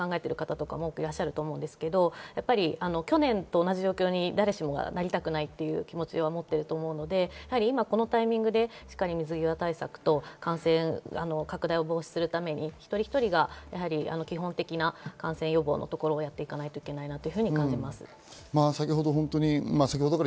もうすぐ年末を迎えて旅行とかを企画されていた方、帰省を考える方もいらっしゃると思いますが、去年と同じ状況に誰しもなりたくないという気持ちをもっていると思うので、今このタイミングでしっかり水際対策と感染拡大を防止するために一人一人が基本的な感染予防のところをやっていかないといけないと感じます。